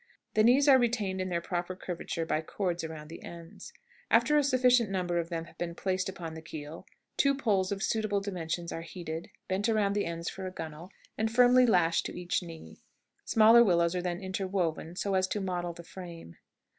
The knees are retained in their proper curvature by cords around the ends. After a sufficient number of them have been placed upon the keel, two poles of suitable dimensions are heated, bent around the ends for a gunwale, and firmly lashed to each knee. Smaller willows are then interwoven, so as to model the frame.